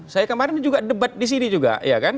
saya kemarin juga debat di sini juga